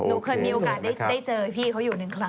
หนูเคยมีโอกาสได้เจอพี่เขาอยู่หนึ่งครั้ง